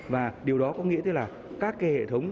và điều đó có nghĩa thế là các cái hệ thống